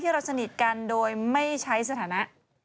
เราสนิทกันโดยไม่ใช้สถานะ